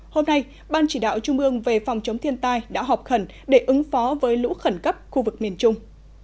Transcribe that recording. hôm nay ban chỉ đạo trung ương về phòng chống thiên tai đã họp khẩn để ứng phó với lũ khẩn cấp khu vực miền trung